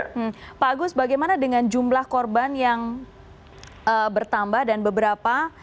hmm pak agus bagaimana dengan jumlah korban yang bertambah dan beberapa